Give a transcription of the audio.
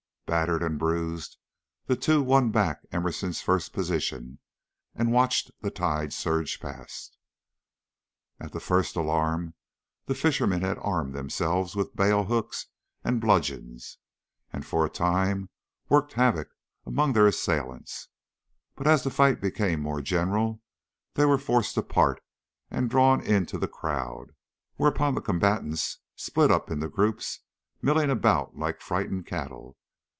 Battered and bruised, the two won back to Emerson's first position, and watched the tide surge past. At the first alarm the fishermen had armed themselves with bale hooks and bludgeons, and for a time worked havoc among their assailants; but as the fight became more general they were forced apart and drawn into the crowd, whereupon the combatants split up into groups, milling about like frightened cattle.